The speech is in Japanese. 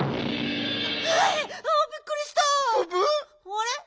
あれ？